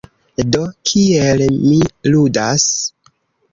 Do, kiel mi ludas?